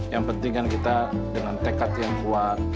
yang penting kan kita dengan tekad yang kuat